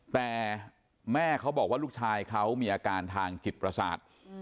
แต่แม่เขาบอกว่าลูกชายเขามีอาการทางจิตประสาท